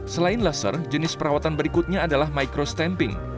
selain laser jenis perawatan berikutnya adalah microstamping